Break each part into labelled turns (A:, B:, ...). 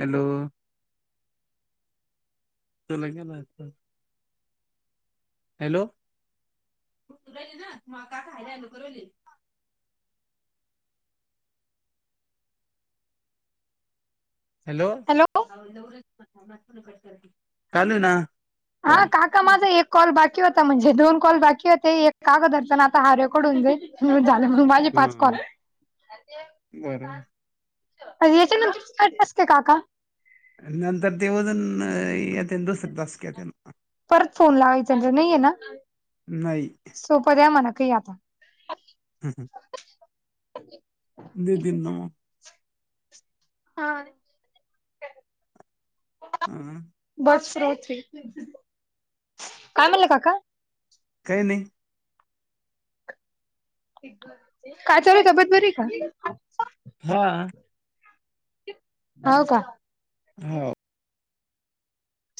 A: Hello [unintelligible] hello [inaudible] hello [unintelligible] ना
B: हा
A: phone
B: काका, माझं एक कॉल बाकी होता, म्हणजे दोन कॉल बाकी होते, एक कागदरतना आता हारेकडून जाईल. हो झालं, म्हं, माझे
A: हम्म
B: पाच कॉल
A: हम् बरोबर
B: [unintelligible] काका
A: नंतर ते वजन येते [unintelligible]
B: परत फोन लावायचा [unintelligible] नाहीये ना
A: नाई
B: सोपं द्या मणा कइ आता
A: हम हं देतील न म
B: हा
A: हम
B: [unintelligible] काय म्हणले, काका?
A: काय नई
B: काय चालूय, तब्येत बरीये का?
A: हा
B: हौ का
A: हो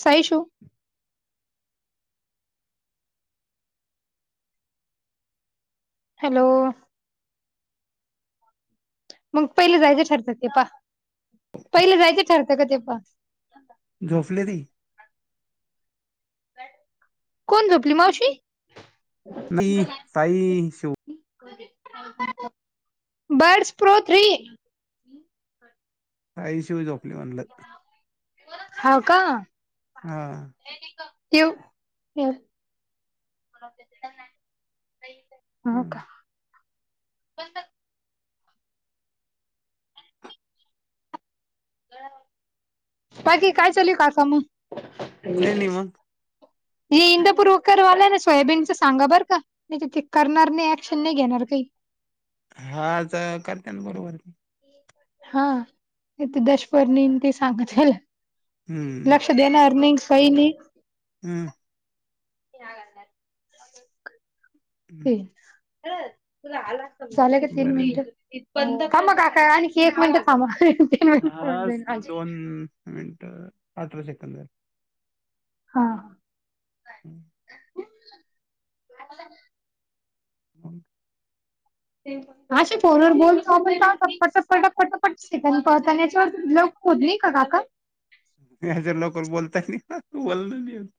B: साई शू हॅलो. मग पहिलं जायचं ठरत ते पा, पहिलं जायचं ठरतं का ते पा.
A: झोपले ती.
B: कोण झोपली मावशी?
A: मी, साई शिव.
B: बर्ड्स प्रो थ्री
A: ताई शिवाय झोपली म्हनलं.
B: हाव का?
A: हा.
B: [unintelligible] हो
A: हा
B: का. बाकी काय चालूये, कासा मग?
A: काही नाही मग
B: ये इंदपूर उकरवाल्यांना सोयाबीनचं सांगा बरं का. नाही ते करणार नाही, ऍक्शन नाही घेणार काही
A: हा ज करत्यांन बरोबर
B: हा ते देशपर्णी ते सांगा त्याला
A: हम्म.
B: देणार नाई काई नाई.
A: हम्म.
B: ते झाले का तीन
A: बर
B: मिनिट? थांबा काका आणखी एक मिनिटं थांबा. तीन
A: हा,
B: मिनिट
A: दोन मिनिट आठरा सेकंद
B: हा.
A: [inaudible]
B: [unintelligible]
A: [inaudible]
B: ते. आशे फोनवर बोलतो आपण काका पटा पटा पटा पट शिकून पळतानेच्यावर होत नाही काका?
A: [unintelligible]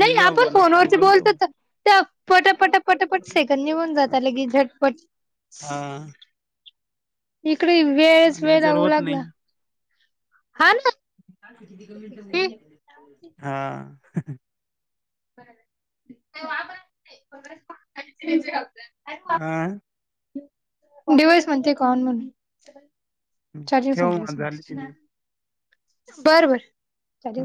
B: नाही,
A: जा
B: आपण
A: बोला
B: फोनवरती बोलतो
A: मग.
B: त. त्या पट पट पटपट सेकंद निघून जात लगेच झटपट.
A: हा
B: इकडे वेळच
A: आणि याच्यावर
B: वेळजाऊ
A: होत
B: लागला
A: नाही.
B: हा ना. ते
A: हा. हा.
B: [unintelligible] डिवाइस म्हणते कॉन म्हणून चार्जिंग
A: ठेव
B: संपली
A: मग
B: असेल
A: झाली की
B: त्याची,
A: नाही.
B: बर बर